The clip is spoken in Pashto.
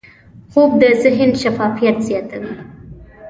خوب د ذهن شفافیت زیاتوي